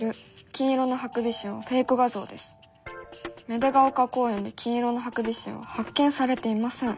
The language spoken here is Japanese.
芽出ヶ丘公園で金色のハクビシンは発見されていません」。